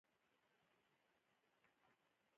زموږ په پرتله هغوی لټ دي